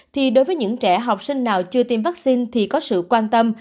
thì đối với những trẻ học sinh nào chưa tiêm vaccine thì có sự quan tâm